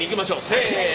せの。